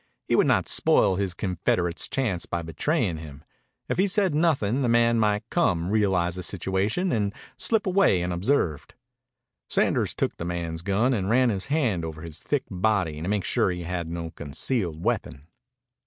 He would not spoil his confederate's chance by betraying him. If he said nothing, the man might come, realize the situation, and slip away unobserved. Sanders took the man's gun and ran his hand over his thick body to make sure he had no concealed weapon.